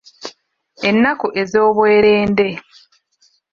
Ennaku ezoobwerende.